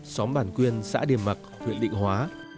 xóm bản quyên xã điềm mạc huyện định hóa